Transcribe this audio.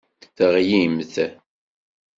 Teɣlimt.